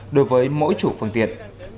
đối với mỗi chủ phương tiện